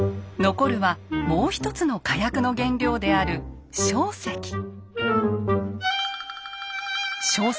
残るはもう一つの火薬の原料である硝石。